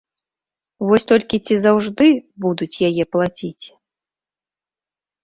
Вось толькі ці заўжды будуць яе плаціць?